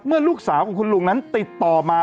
ลูกสาวของคุณลุงนั้นติดต่อมา